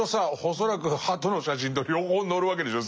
恐らく鳩の写真と両方載るわけでしょ